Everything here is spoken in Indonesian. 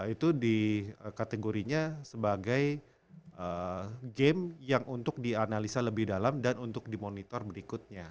itu di kategorinya sebagai game yang untuk dianalisa lebih dalam dan untuk dimonitor berikutnya